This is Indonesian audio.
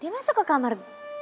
dia masuk ke kamar